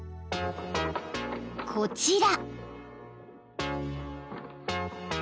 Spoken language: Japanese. ［こちら］